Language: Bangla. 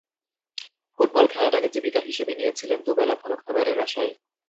ফুটবল খেলাটাকে জীবিকা হিসেবে নিয়েছিলেন দুবেলা ভালো খাবারের আশায়।